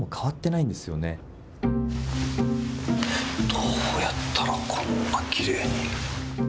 どうやったらこんなきれいに。